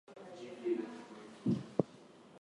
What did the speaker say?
They discussed his legal case with Sir John Seton of Barns.